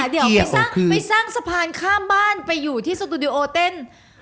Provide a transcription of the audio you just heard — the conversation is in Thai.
เดี๋ยวไปสร้างสะพานข้ามบ้านไปอยู่ที่สตูดิโอเต้น